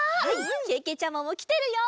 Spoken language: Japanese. けけちゃまもきてるよ！